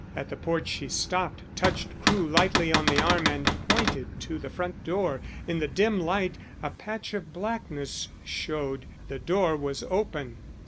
At the porch she stopped, touched Crewe lightly on the arm, and pointed to the front door. In the dim light a patch of blackness showed; the door was open.